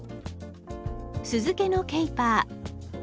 酢漬けのケイパー。